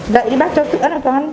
đợi đi bác cho sữa nào con